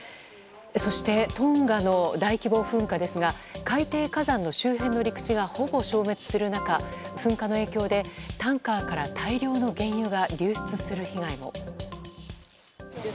そしてトンガの大規模噴火ですが海底火山の周辺の陸地がほぼ消滅する中、噴火の影響でタンカーから大量の原油が流出する事態に。